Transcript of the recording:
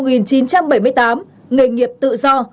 nghề nghiệp tự do